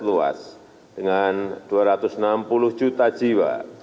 luas dengan dua ratus enam puluh juta jiwa